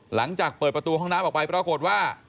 หลังจากเปิดประตูห้องน้ำออกไปปรากฏว่า